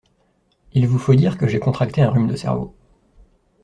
Il vous faut dire que j’ai contracté un rhume de cerveau.